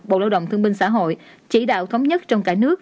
bộ lao động thương minh xã hội chỉ đạo thống nhất trong cả nước